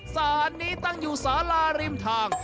สารนี้ตั้งอยู่สาราริมทาง